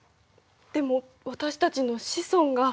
でも私たちの子孫が。